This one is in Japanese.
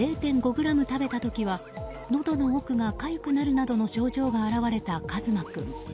食べた時はのどの奥がかゆくなるなどの症状が現れた和真君。